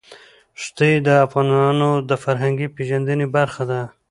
ښتې د افغانانو د فرهنګي پیژندنې برخه ده.